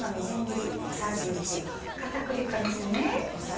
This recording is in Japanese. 片栗粉ですね。